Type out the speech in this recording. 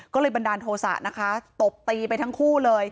ก็บรรดาโนสะตบตีไปทั้งคู่